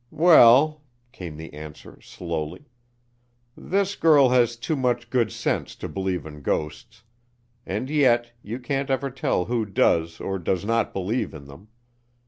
"Well," came the answer slowly, "this girl has too much good sense to believe in ghosts, and yet, you can't ever tell who does or does not believe in them.